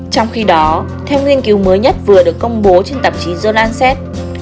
trong khi đó theo nghiên cứu mới nhất vừa được công bố trên tạp chí jordancess